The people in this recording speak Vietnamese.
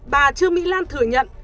bà trương mỹ lan thừa nhận